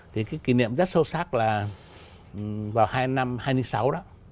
thì cái kỷ niệm rất sâu sắc là vào năm hai nghìn sáu đó